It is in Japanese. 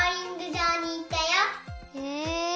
へえ！